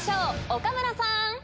岡村さん。